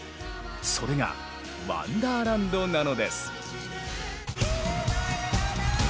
それがワンダーランドなのです。